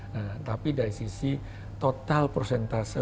nah tapi dari sisi total persentase